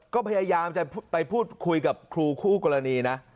ก็พยายามจะไปพูดคุยกับครูคู่กรณีนะ